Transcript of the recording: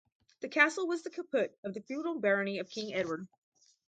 The castle was the caput of the feudal barony of King Edward.